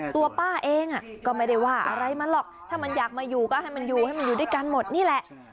ตัวป้าเองก็ไม่ได้ว่าอะไรมันหรอกถ้ามันอยากมาอยู่ก็ให้มันอยู่ให้มันอยู่ด้วยกันหมดนี่แหละ